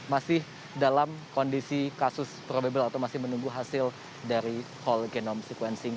masih dalam kondisi kasus probable atau masih menunggu hasil dari whole genome sequencing